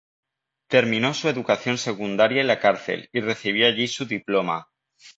Terminó su educación secundaria en la cárcel y recibió allí su diploma.